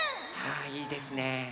あいいですね。